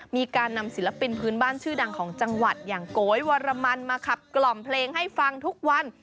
มีการนำศิลปินพื้นบ้านชื่อดังของจังหวัดอย่างโกยวรมันมาขับกล่อมเพลงให้ฟังทุกวัน